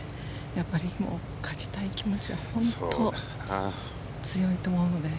やっぱり勝ちたい気持ちは本当、強いと思うので。